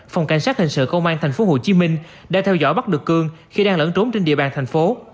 phòng cảnh sát hình sự công an tp hcm đã theo dõi bắt được cương khi đang lẫn trốn trên địa bàn thành phố